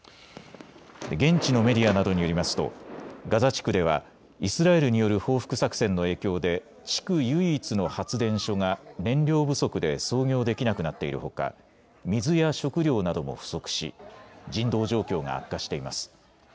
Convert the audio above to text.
現地のメディアなどによりますとガザ地区ではイスラエルによる報復作戦の影響で地区唯一の発電所が燃料不足で操業できなくなっているほか水や食料なども不足し人道状況が悪化しています。